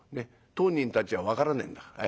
当人たちは分からねえんだから。